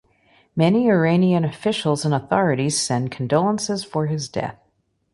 Many Iranian officials and authorities send condolences for his death.